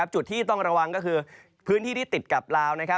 จุดที่ต้องระวังก็คือพื้นที่ที่ติดกับลาว